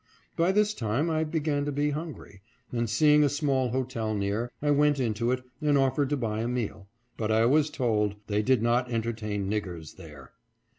By this time I began to be hungry, and, seeing a small hotel near, I went into it and offered to buy a meal ; but I was told "they did not entertain niggers there."